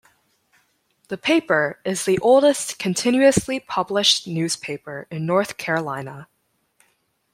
The paper is the oldest continuously published newspaper in North Carolina.